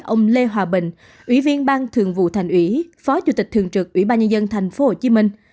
ông lê hòa bình ủy viên ban thường vụ thành ủy phó chủ tịch thường trực tp hcm